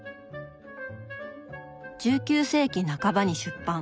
１９世紀半ばに出版。